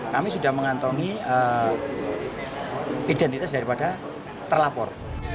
kami sudah mengantongi identitas daripada terlapor